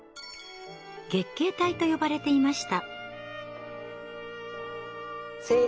月経帯と呼ばれていました。